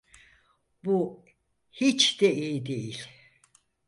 Bu hiç de iyi değil.